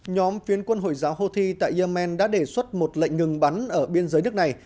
nhóm phiên quân hồi giáo houthi tại yemen đã đề xuất một lệnh ngừng bắn ở biên giới nước này